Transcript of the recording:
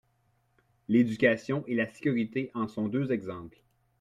L’éducation et la sécurité en sont deux exemples.